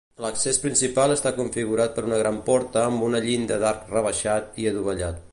L'accés principal està configurat per una gran porta amb llinda d'arc rebaixat i adovellat.